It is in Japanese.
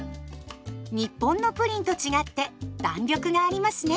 日本のプリンと違って弾力がありますね。